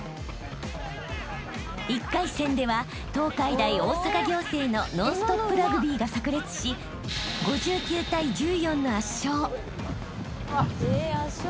［１回戦では東海大大阪仰星のノンストップラグビーが炸裂し５９対１４の圧勝］